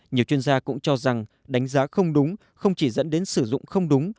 nhiều chuyên gia cũng cho rằng đánh giá không đúng không chỉ dẫn đến sử dụng không đúng